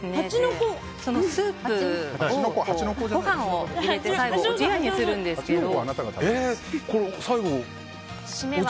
スープにご飯を入れて最後おじやにするんですけど。